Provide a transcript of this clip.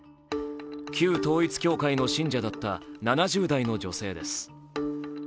旧統一教会の信者だった７０代の女性です。